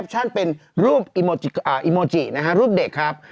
น้ำชาชีวนัทครับผมโพสต์ขอโทษทำเข้าใจผิดหวังคำเวพรเป็นจริงนะครับ